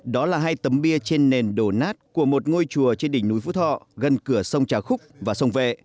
đó là hai tấm bia trên nền đổ nát của một ngôi chùa trên đỉnh núi phú thọ gần cửa sông trà khúc và sông vệ